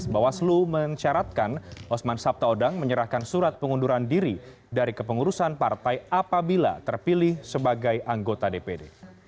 bawaslu mencaratkan osman sabtaodang menyerahkan surat pengunduran diri dari kepengurusan partai apabila terpilih sebagai anggota dpd